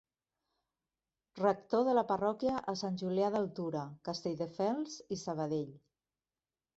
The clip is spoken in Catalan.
Rector de parròquia a Sant Julià d'Altura, Castelldefels i Sabadell.